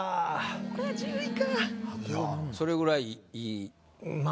それぐらいいい？